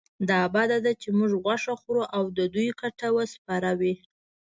دا بده ده چې موږ غوښه خورو او د دوی کټوه سپوره وي.